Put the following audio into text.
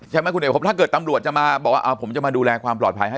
ใช่ไหมคุณเอกพบถ้าเกิดตำรวจจะมาบอกว่าผมจะมาดูแลความปลอดภัยให้